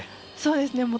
そうですね。